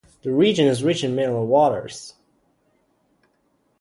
The region is rich in mineral waters.